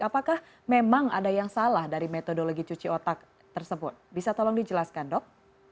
apakah memang ada yang salah dari metodologi cuci otak tersebut bisa tolong dijelaskan dok